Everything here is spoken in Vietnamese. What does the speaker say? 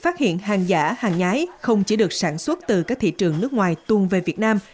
phát hiện hàng giả hàng nhái không chỉ được sản xuất từ các thị trường nước ngoài tuôn về việt nam